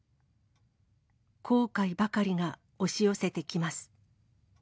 後悔ばかりが押し寄せてきます。